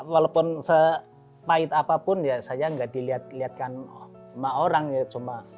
walaupun sepahit apapun ya saya nggak dilihatkan sama orang ya cuma